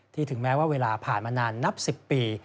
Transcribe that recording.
ถึงแม้ว่าเวลาผ่านมานานนับ๑๐ปี